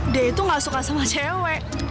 dia itu gak suka sama cewek